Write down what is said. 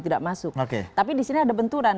tidak masuk tapi disini ada benturan